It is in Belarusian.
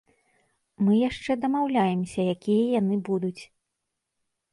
Мы яшчэ дамаўляемся, якія яны будуць.